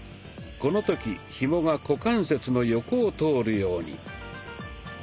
この時ひもが股関節の横を通るように。